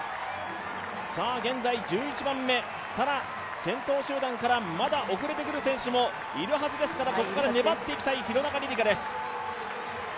現在、１１番目、ただ先頭集団からまだ遅れてくる選手もいるはずですからここから粘っていきたい廣中璃梨佳です。